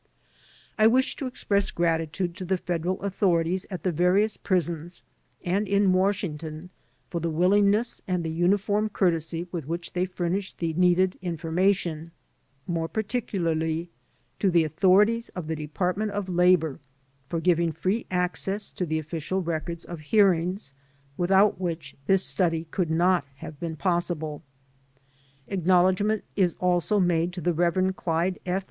I wish to express gratitude to the Federal authorities at the various prisons and in Washington for the willing ness and the uniform courtesy with which they furnished the needed information ; more particularly to the authori ties of the Department of Labor for giving free access to the official records of hearings, without which this study could not have been possible. Acknowledgment is also made to the Rev. Qyde F.